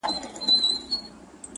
د احمدشاه بابا پتارۍ